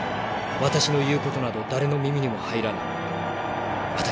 私の言う事など誰の耳にも入らない。